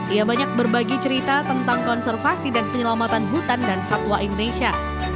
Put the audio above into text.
ia banyak berbagi cerita tentang konservasi dan penyelamatan hutan dan satwa indonesia